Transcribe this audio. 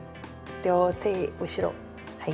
両手後ろはい。